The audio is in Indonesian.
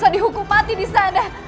dihukum mati disana